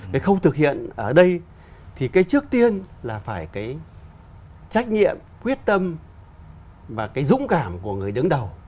cái khâu thực hiện ở đây thì cái trước tiên là phải cái trách nhiệm quyết tâm và cái dũng cảm của người đứng đầu